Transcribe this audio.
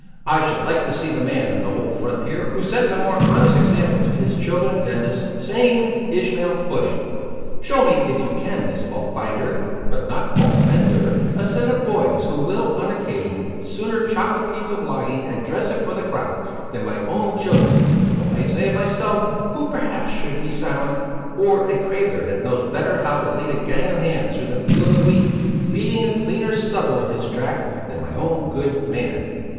I should like to see the man on the whole frontier, who sets a more honest example to his children than this same Ishmael Bush! Show me, if you can, Miss Fault finder, but not fault mender, a set of boys who will, on occasion, sooner chop a piece of logging and dress it for the crop, than my own children; though I say it myself, who, perhaps, should be silent; or a cradler that knows better how to lead a gang of hands through a field of wheat, leaving a cleaner stubble in his track, than my own good man!